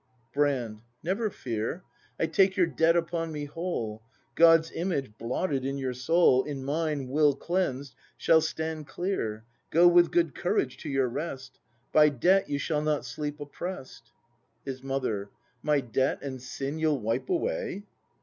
Brand. Never fear; I take your debt upon me whole. God's image, blotted in your soul, In mine, Will cleansed, shall stand clear. Go with good courage to your rest. By debt you shall not sleep oppress'd. His Mother. My debt and sin you'll wipe away?